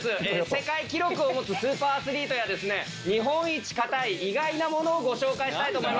世界記録を持つスーパーアスリートや日本一硬い意外なものをご紹介したいと思います。